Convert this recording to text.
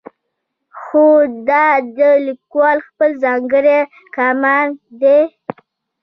خو دا د لیکوال خپل ځانګړی کمال دی.